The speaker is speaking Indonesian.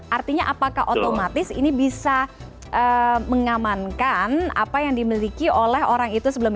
artinya apakah otomatis ini bisa mengamankan apa yang dimiliki oleh orang itu sebelumnya